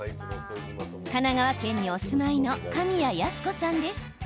神奈川県にお住まいの神谷泰子さんです。